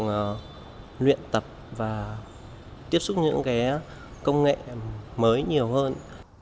được luyện tập và tiếp xúc những cái công nghệ mới nhiều hơn